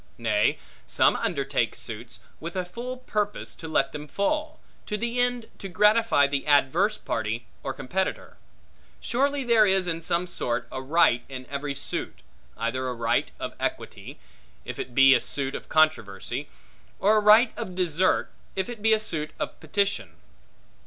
Nay, some undertake suits, with a full purpose to let them fall; to the end to gratify the adverse party, or competitor. Surely there is in some sort a right in every suit; either a right of equity, if it be a suit of controversy; or a right of desert, if it be a suit of petition.